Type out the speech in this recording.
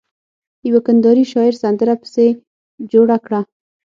يوه کنداري شاعر سندره پسې جوړه کړه.